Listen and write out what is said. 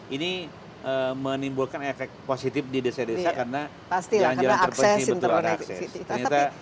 ini menimbulkan efek positif di desa desa karena jalan jalan terpenting betul ada akses